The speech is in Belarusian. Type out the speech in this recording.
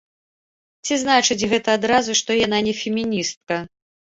Ці значыць гэта адразу, што яна не феміністка?